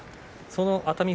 その熱海